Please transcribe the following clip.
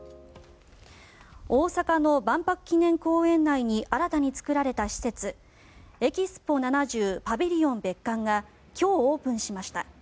大阪の万博記念公園内に新たに作られた施設ＥＸＰＯ’７０パビリオン別館が今日、オープンしました。